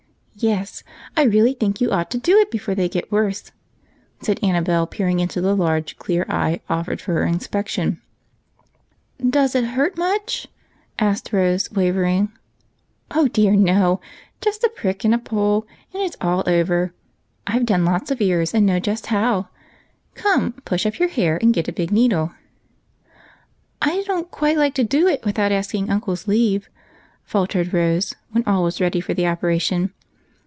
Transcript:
Yes, I really think you ought to do it before they get worse," said Annabel, peering into the large clear eye offered for inspection. " Does it hurt much ?" asked Rose, wavering. "Oh dear, no! just a prick and a pull, and it's all over. I've done lots of ears, and know just how. Come, push up your hair and get a big needle." " I don't quite like to do it without asking uncle's leave," faltered Rose, when all was ready for the oper ation.